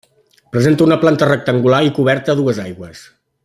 Presenta una planta rectangular i coberta a dues aigües.